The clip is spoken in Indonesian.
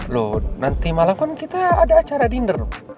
loh nanti malam kan kita ada acara dinner